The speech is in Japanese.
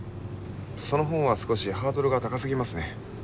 その本は少しハードルが高すぎますね。